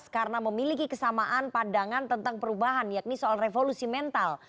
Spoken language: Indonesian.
karena memiliki kesamaan pandangan tentang perubahan yakni soal revolusi mental